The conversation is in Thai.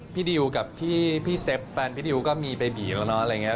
ดิวกับพี่เซฟแฟนพี่ดิวก็มีเบบีอยู่แล้วเนาะอะไรอย่างนี้